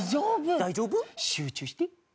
大丈夫？集中して。